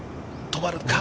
止まるか？